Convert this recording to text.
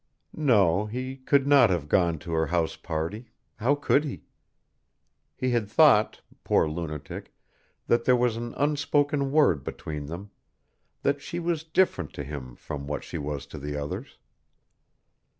No, he could not have gone to her house party how could he? He had thought, poor lunatic, that there was an unspoken word between them; that she was different to him from what she was to the others.